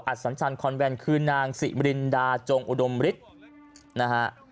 สัญชันคอนแวนคือนางสิมรินดาจงอุดมฤทธิ์นะฮะ